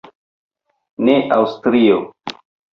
Ne Aŭstrio.